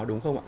đúng không ạ